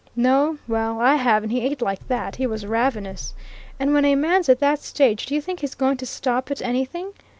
No well, I have, and he ate like that he was ravenous! And when a man's at that stage, do you think he's going to stop at anything?